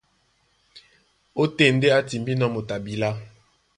Ótên ndé á timbínɔ́ moto a bilá.